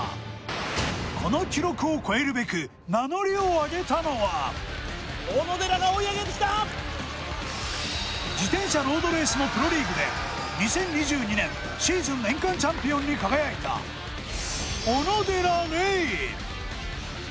この記録を超えるべく名乗りをあげたのは自転車ロードレースのプロリーグで２０２２年シーズン年間チャンピオンに輝いた小野寺玲